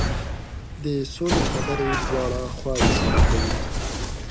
د سولې خبرې دواړه خواوې سره کوي.